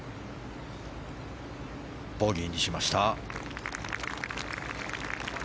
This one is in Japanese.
ボギーにしました。